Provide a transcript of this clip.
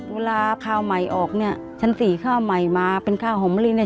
เวลาข้าวใหม่ออกเนี่ยชั้นสี่ข้าวใหม่มาเป็นข้าวหอมมะลิเนี่ย